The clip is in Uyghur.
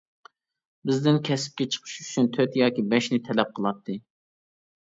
بىزدىن كەسىپكە چىقىش ئۈچۈن تۆت ياكى بەشنى تەلەپ قىلاتتى.